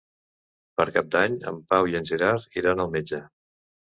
Per Cap d'Any en Pau i en Gerard iran al metge.